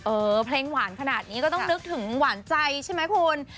เออเพลงขนาดนี้ก็ต้องนึกถึงหวานใจใช่มั้ยคุณ